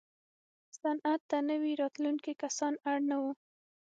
صنعت ته نوي راتلونکي کسان اړ نه وو.